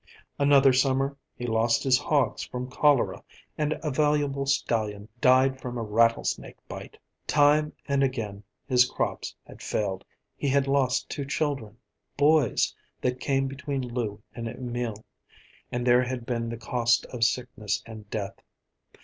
Another summer he lost his hogs from cholera, and a valuable stallion died from a rattlesnake bite. Time and again his crops had failed. He had lost two children, boys, that came between Lou and Emil, and there had been the cost of sickness and death.